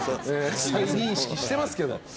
再認識してますけども。